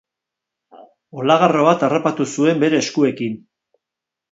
Olagarro bat harrapatu zuen bere eskuekin.